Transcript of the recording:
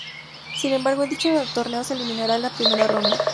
Sin embargo, en dicho torneo se eliminaría en la primera ronda.